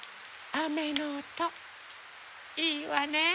あめのおといいわね。